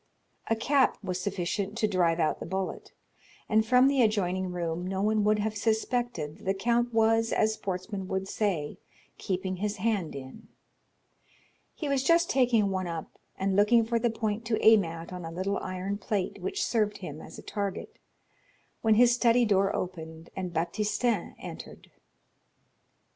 A cap was sufficient to drive out the bullet, and from the adjoining room no one would have suspected that the count was, as sportsmen would say, keeping his hand in. He was just taking one up and looking for the point to aim at on a little iron plate which served him as a target, when his study door opened, and Baptistin entered.